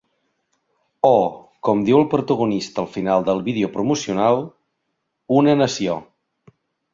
O, com diu el protagonista al final del vídeo promocional: Una nació.